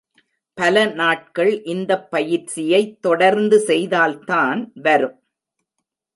பல நாட்கள் இந்தப் பயிற்சியைத் தொடர்ந்து செய்தால்தான் வரும்.